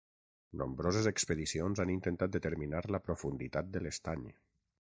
Nombroses expedicions han intentat determinar la profunditat de l'estany.